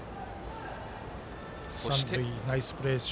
三塁ナイスプレー